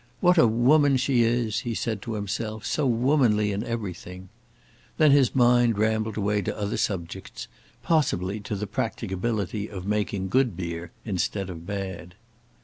"What a woman she is!" he said to himself; "so womanly in everything." Then his mind rambled away to other subjects, possibly to the practicability of making good beer instead of bad.